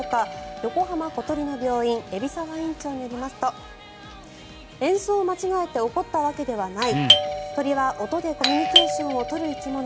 横浜小鳥の病院海老沢院長によりますと演奏を間違えて怒ったわけではない鳥は音でコミュニケーションを取る生き物。